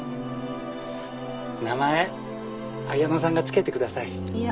名前綾乃さんが付けてください